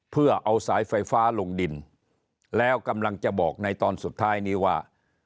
เพื่อเอาสายไฟฟ้าลงดินแล้วกำลังจะบอกในตอนสุดท้ายนี้ว่า